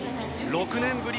６年ぶり